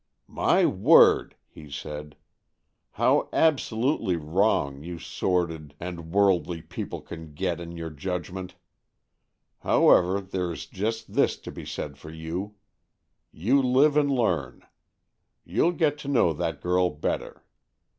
" My word," he said. " How absolutely wrong you sordid and 52 AN EXCHANGE OF SOULS worldly people can get in your judgment. However, there is just this to be said for you. You live and learn. Y'ou'll get to know that girl better.